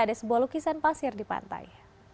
ada sebuah lukisan pasir di pantai